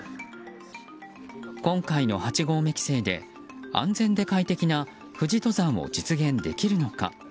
今回の８合目規制で安全で快適な富士登山を実現できるのか。